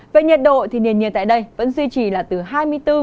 về nhiệt độ nền nhiệt tại đây vẫn tiếp tục có mưa rông